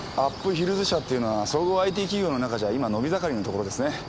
ヒルズ社っていうのは総合ＩＴ企業のなかじゃ今伸び盛りのところですね。